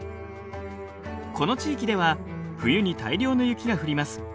この地域では冬に大量の雪が降ります。